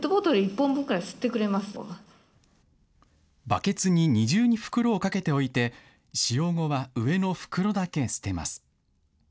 バケツに二重に袋をかけておいて使用後は上の袋だけ捨てます。